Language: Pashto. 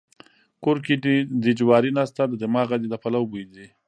کور کې دې جواري نسته د دماغه دې د پلو بوی ځي.